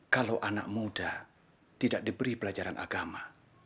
kalau anak muda tidak diberi pelajaran agama